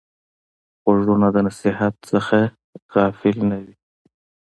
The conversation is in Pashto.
غوږونه د نصیحت نه غافل نه دي